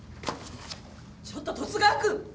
ちょっと十津川君！